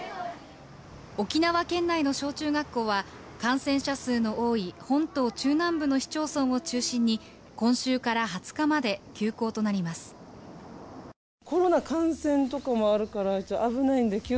沖縄県内の小中学校は感染者数の多い本島中南部の市町村を中心に今週から２０日まで休校となります。